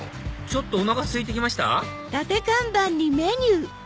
ちょっとお腹すいて来ました？